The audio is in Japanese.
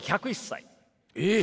１０１歳！？